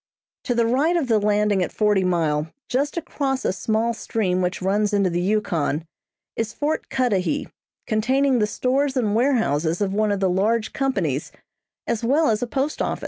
To the right of the landing at Forty Mile, just across a small stream which runs into the Yukon, is Fort Cudahy, containing the stores and warehouses of one of the large companies, as well as a post office.